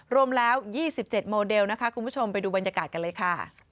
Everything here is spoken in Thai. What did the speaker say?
รวมแล้ว๒๗โมเดลนะคะคุณผู้ชมไปดูบรรยากาศกันเลยค่ะ